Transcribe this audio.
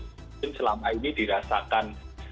mungkin selama ini dirasakan